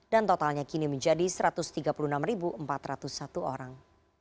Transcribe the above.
dan totalnya kini menjadi satu ratus tiga puluh enam empat ratus satu orang